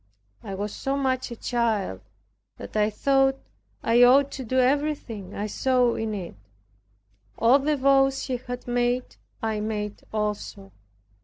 I was so much a child, that I thought I ought to do everything I saw in it. All the vows she had made I made also.